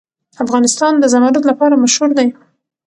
افغانستان د زمرد لپاره مشهور دی.